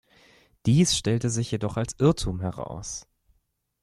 Dies stellte sich jedoch als Irrtum heraus.